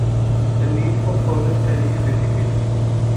The need for further study is indicated.